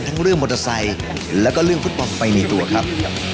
เรื่องมอเตอร์ไซค์แล้วก็เรื่องฟุตบอลไปในตัวครับ